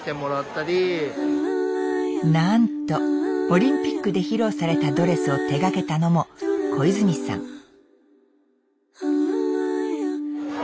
なんとオリンピックで披露されたドレスを手がけたのも小泉さん。